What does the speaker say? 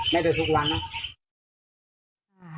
ไม่ใช่ทุกวันนะ